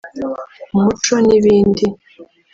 umuco n’ibindi